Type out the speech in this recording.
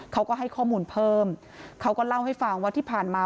เขาก็ให้ข้อมูลเพิ่มเขาก็เล่าให้ฟังว่าที่ผ่านมา